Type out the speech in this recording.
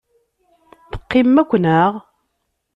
Teqqimem akk, naɣ?